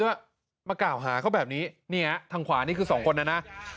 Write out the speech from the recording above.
มากล่าวหาเขาแบบนี้นี่ฮะทางขวานี่คือสองคนนะนะ